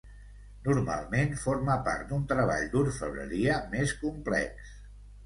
Normalment forma part d'un treball d'orfebreria més complex.